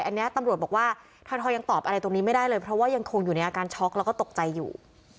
อันนี้ตำรวจบอกว่าทอยังตอบอะไรตรงนี้ไม่ได้เลยเพราะว่ายังคงอยู่ในอาการช็อกแล้วก็ตกใจอยู่